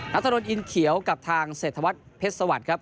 นักถนนอินเขียวกับทางเศรษฐวัฒน์เพชรสวรรค์ครับ